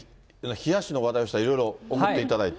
冷やしの話題したら、いろいろ送っていただいて。